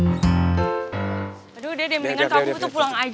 aduh udah deh mendingan kamu tuh pulang aja